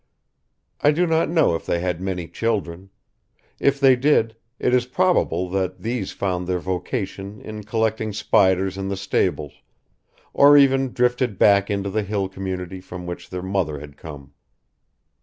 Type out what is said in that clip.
I do not know if they had many children. If they did, it is probable that these found their vocation in collecting spiders in the stables, or even drifted back into the hill community from which their mother had come.